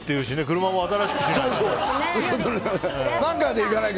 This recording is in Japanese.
車も新しくしないと。